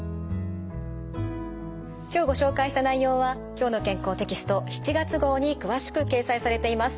今日ご紹介した内容は「きょうの健康」テキスト７月号に詳しく掲載されています。